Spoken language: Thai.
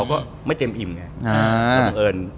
คุณสมัครอ๋อ